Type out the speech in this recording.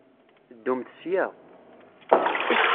Ddumt sya!